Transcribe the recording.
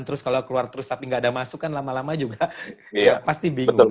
terus kalau keluar terus tapi nggak ada masuk kan lama lama juga pasti bingung